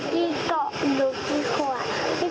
กินในรูปฉีดขวัก